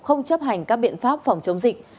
không chấp hành các biện pháp phòng chống dịch